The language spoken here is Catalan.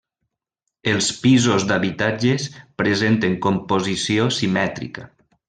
Els pisos d'habitatges presenten composició simètrica.